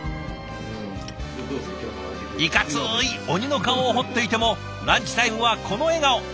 いかつい鬼の顔を彫っていてもランチタイムはこの笑顔。